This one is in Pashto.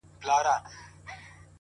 څوک به نو څه رنګه اقبا وویني،